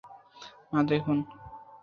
না, দেখুন।